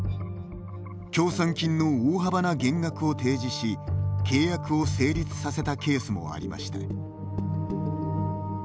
協賛金の大幅な減額を提示し契約を成立させたケースもありました。